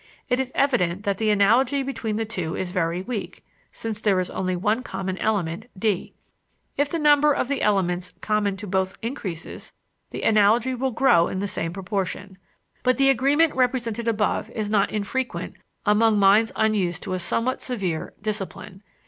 It is evident that the analogy between the two is very weak, since there is only one common element, d. If the number of the elements common to both increases, the analogy will grow in the same proportion. But the agreement represented above is not infrequent among minds unused to a somewhat severe discipline.